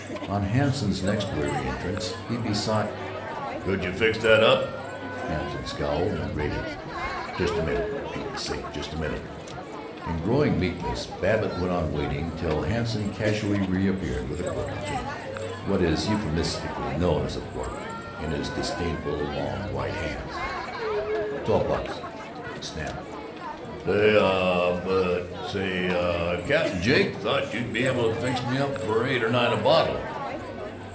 On Hanson's next weary entrance he besought, "Could you fix that up?" Hanson scowled, and grated, "Just a minute Pete's sake just a min ute!" In growing meekness Babbitt went on waiting till Hanson casually reappeared with a quart of gin what is euphemistically known as a quart in his disdainful long white hands. "Twelve bucks," he snapped. "Say, uh, but say, cap'n, Jake thought you'd be able to fix me up for eight or nine a bottle."